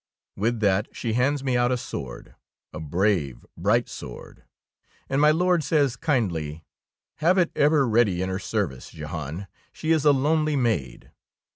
'^ With that she hands me out a sword, — a brave, bright sword ! And my Lord says kindly, — "Have it ever ready in her service, Jehan; she is a lonely maid."